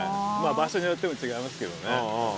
場所によっても違いますけどね。